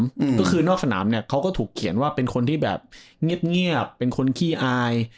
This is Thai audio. อืมก็คือนอกสนามเนี้ยเขาก็ถูกเขียนว่าเป็นคนที่แบบเงียบเงียบเป็นคนขี้อาย